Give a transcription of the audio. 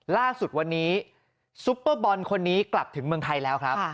ล่าสุดวันนี้ซุปเปอร์บอลคนนี้กลับถึงเมืองไทยแล้วครับ